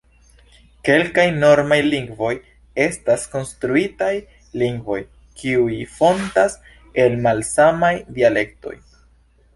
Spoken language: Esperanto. Kelkaj normaj lingvoj estas konstruitaj lingvoj, kiuj fontas el malsamaj dialektoj.